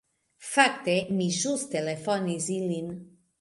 "Fakte, mi ĵus telefonis ilin."